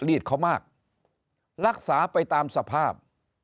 ลีดเขามากรักษาไปตามสภาพ